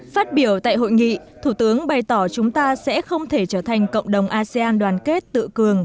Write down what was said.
phát biểu tại hội nghị thủ tướng bày tỏ chúng ta sẽ không thể trở thành cộng đồng asean đoàn kết tự cường